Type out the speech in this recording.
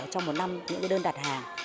trong một năm những đơn đặt hàng